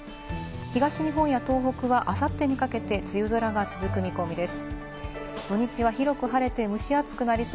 東日本や東北はあさってにかけて梅雨空が続く見込みです。